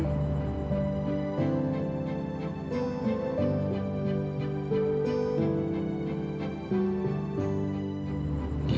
jadi saksi apa